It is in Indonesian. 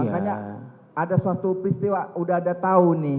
makanya ada suatu peristiwa udah ada tahu nih